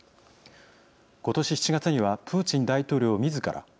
今年７月にはプーチン大統領みずから